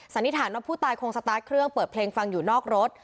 นิษฐานว่าผู้ตายคงสตาร์ทเครื่องเปิดเพลงฟังอยู่นอกรถ